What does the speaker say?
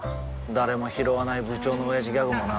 誰もひろわない部長のオヤジギャグもな